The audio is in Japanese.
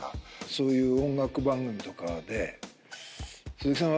そういう音楽番組とかで「鈴木さん